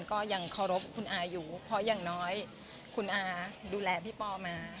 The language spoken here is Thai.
ก็ยังเคารพคุณอาอยู่เพราะอย่างน้อยคุณอาดูแลพี่ปอมา